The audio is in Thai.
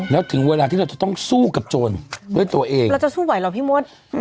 แล้วถึงเวลาที่เราจะต้องสู้กับโจรด้วยตัวเองเราจะสู้ไหวเหรอพี่มด